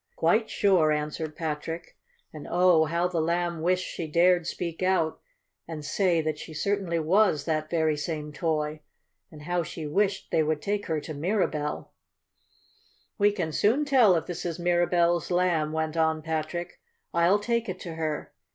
"Quite sure," answered Patrick, and, oh, how the Lamb wished she dared speak out and say that she certainly was that very same toy! And how she wished they would take her to Mirabell! "We can soon tell if this is Mirabell's Lamb," went on Patrick. "I'll take it to her.